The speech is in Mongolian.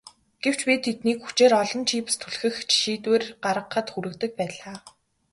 Гэвч би тэднийг хүчээр олон чипс түлхэх шийдвэр гаргахад хүргэдэг байлаа.